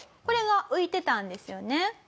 これが浮いてたんですよね。